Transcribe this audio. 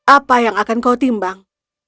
apa yang akan kau timbang